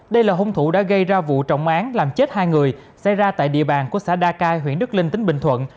đây là hung thủ đã gây ra vụ trọng án làm chết hai người xảy ra tại địa bàn của xã đa cai huyện đức linh tỉnh bình thuận